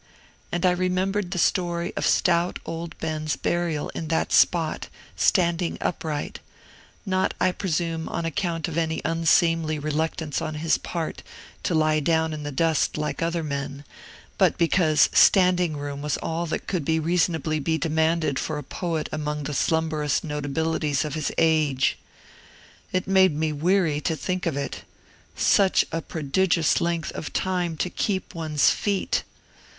and remembered the story of stout old Ben's burial in that spot, standing upright, not, I presume, on account of any unseemly reluctance on his part to lie down in the dust, like other men, but because standing room was all that could reasonably be demanded for a poet among the slumberous notabilities of his age. It made me weary to think of it! such a prodigious length of time to keep one's feet!